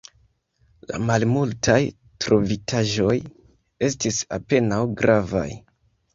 La malmultaj trovitaĵoj estis apenaŭ gravaj.